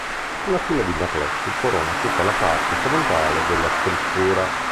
Una fila di merletti corona tutta la parte frontale della struttura.